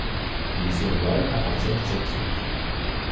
Les Zeroual appartiennent à cette tribu.